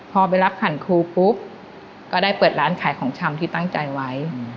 พอไปรับขันครูปุ๊บก็ได้เปิดร้านขายของชำที่ตั้งใจไว้